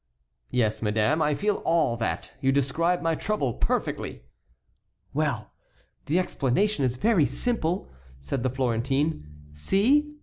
"Yes, madame. I feel all that. You describe my trouble perfectly!" "Well! the explanation is very simple," said the Florentine. "See."